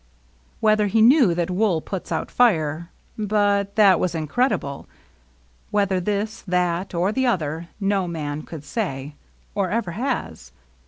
Whether he knew that wool puts out fire, — but that was incredible. Whether this, that, or the other, no man could say, or ever has.